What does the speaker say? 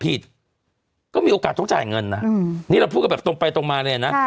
ผิดก็มีโอกาสต้องจ่ายเงินนะนี่เราพูดกันแบบตรงไปตรงมาเลยนะ